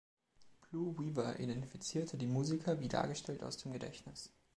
Blue Weaver identifizierte die Musiker wie dargestellt aus dem Gedächtnis.